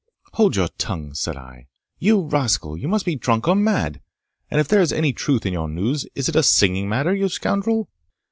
"Hold your tongue," said I, "you rascal! You must be drunk or mad; and if there is any truth in your news, is it a singing matter, you scoundrel?"